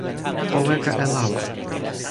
o weka e lawa.